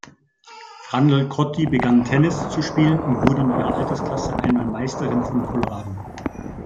Frandl-Crotty begann Tennis zu spielen und wurde in ihrer Altersklasse einmal Meisterin von Colorado.